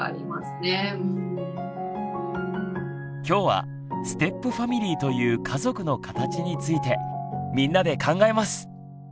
今日はステップファミリーという家族の形についてみんなで考えます！